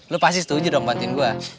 lu pasti setuju dong bantuin gue